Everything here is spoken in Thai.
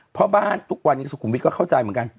เพราะบ้านทุกวันนี้สุขุมวิทย์ก็เข้าใจเหมือนกัน